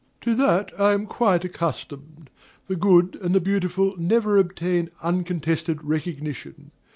DOMINIE. To that I am quite accustomed. The good and the beautiful never obtain uncontested recognition.